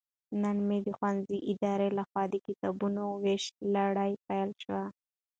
نن مو د ښوونځي ادارې لخوا د کتابونو ويش لړۍ پيل شوه